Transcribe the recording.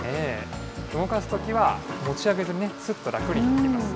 動かすときは、持ち上げずにすっと楽にできます。